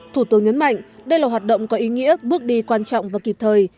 thủ tướng nhấn mạnh đây là hoạt động có ý nghĩa bước đi quan trọng và kịp thời